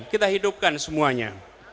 kita hidupkan semuanya